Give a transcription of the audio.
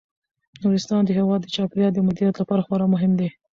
نورستان د هیواد د چاپیریال د مدیریت لپاره خورا مهم دی.